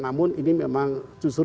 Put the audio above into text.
nah keuntungan adalah ada video mau tulis